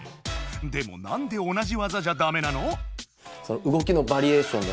でもなんで同じ技じゃダメなの？